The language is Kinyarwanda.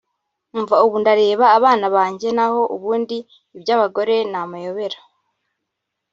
umva ubu ndareba abana banjye naho ubundi ibyabagore namayobera